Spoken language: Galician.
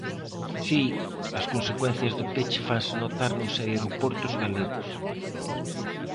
Si, as consecuencias do peche fanse notar nos aeroportos galegos.